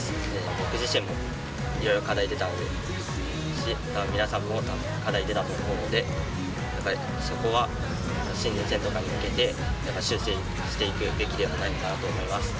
僕自身もいろいろ課題が出たので、皆さんも課題が出たと思うので、そこは新人戦とかに向けて、やっぱり修正していくべきではないかなと思います。